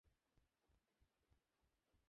এটা খুবই হাস্যকর।